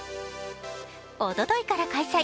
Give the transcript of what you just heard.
おとといから開催